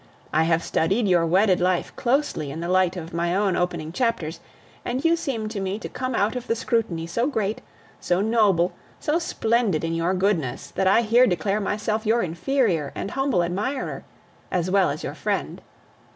I have studied your wedded life closely in the light of my own opening chapters; and you seem to me to come out of the scrutiny so great, so noble, so splendid in your goodness, that I here declare myself your inferior and humble admirer, as well as your friend.